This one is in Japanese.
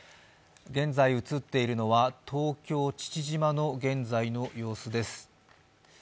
現在、映っているのは東京・父島の現在の様子です。